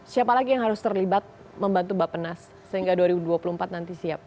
siapa lagi yang harus terlibat membantu bapenas sehingga dua ribu dua puluh empat nanti siap